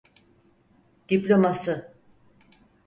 Diploması.